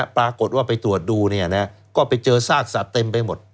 ปรากฏว่าไปตรวจดูก็ไปเจอซากสัตว์เต็มไปหมด